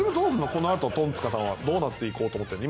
このあとトンツカタンはどうなっていこうと思ってるの？